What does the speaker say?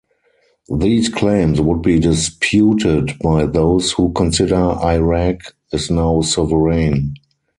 These claims would be disputed by those who consider Iraq is now sovereign.